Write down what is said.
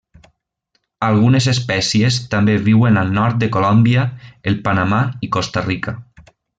Algunes espècies també viuen al nord de Colòmbia, el Panamà i Costa Rica.